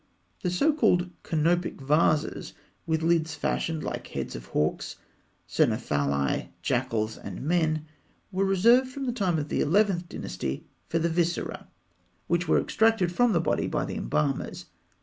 The so called "canopic vases," with lids fashioned like heads of hawks, cynocephali, jackals, and men, were reserved from the time of the Eleventh Dynasty for the viscera, which were extracted from the body by the embalmers.